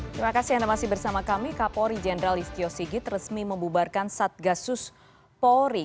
terima kasih anda masih bersama kami kapolri jenderal istio sigit resmi membubarkan satgasus polri